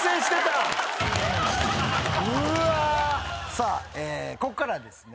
さあこっからはですね